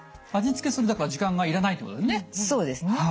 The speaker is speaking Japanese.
味付けするだから時間がいらないってことですね。